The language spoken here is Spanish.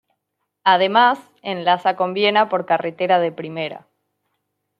Además, enlaza con Viena por carretera de primera.